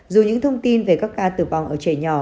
dù những thông tin về các ca tử vong ở trẻ nhỏ